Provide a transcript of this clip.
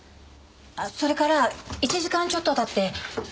あっそれから１時間ちょっと経って。